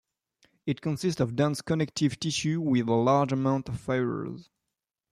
It consists of dense connective tissue with a large amount of fibers.